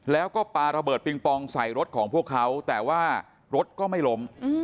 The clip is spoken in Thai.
แล้วก็ปาระเบิดปิงปองใส่รถของพวกเขาแต่ว่ารถก็ไม่ล้ม